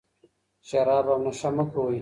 شراب او نشه مه کوئ.